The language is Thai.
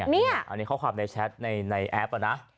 อันนี้ข้อความในแชทในแอปนะ